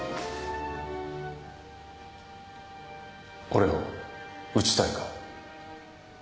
俺を撃ちたいか？